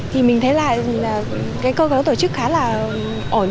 thì mình thấy là cơ hội tổ chức khá là ổn